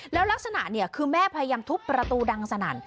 แล้วลักษณะเนี่ยคือแม่พยายามทุบประตูดังสนั่น